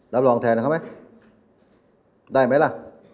เรียบร้องแทนนะได้ไหมล่ะ